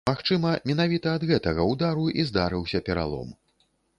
Магчыма, менавіта ад гэтага ўдару і здарыўся пералом.